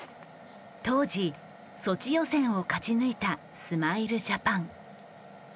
当時ソチ予選を勝ち抜いたスマイルジャパン。